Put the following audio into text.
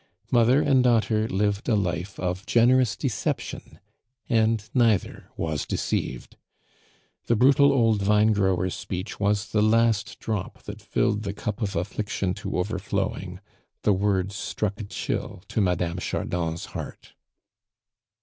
Mother and daughter lived a live of generous deception, and neither was deceived. The brutal old vinegrower's speech was the last drop that filled the cup of affliction to overflowing. The words struck a chill to Mme. Chardon's heart.